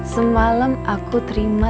semalam aku terima